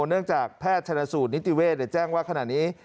เนื่องจากแพทย์ชนสูตรนิติเวศแจ้งว่าขณะนี้